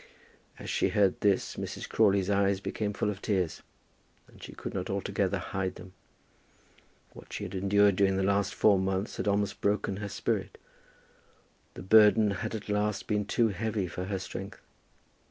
As she heard this Mrs. Crawley's eyes became full of tears, and she could not altogether hide them. What she had endured during the last four months had almost broken her spirit. The burden had at last been too heavy for her strength.